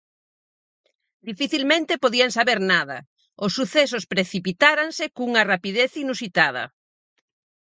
Dificilmente podían saber nada; os sucesos precipitáranse cunha rapidez inusitada.